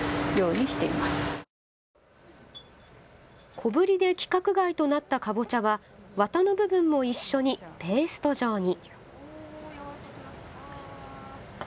小ぶりで規格外となったカボチャは綿の部分も一緒にペースト状に。